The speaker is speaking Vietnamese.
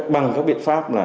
bằng các biện pháp